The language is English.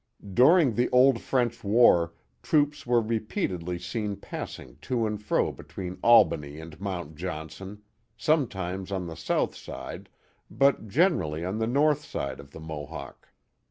During the old French War troops were re peatedly seen passing to and fro between Albany and Mount Johnson, sometimes on the south side, but generally on the north side, of the Mohawk.